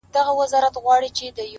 • د ورځي سور وي رسوایي وي پکښې..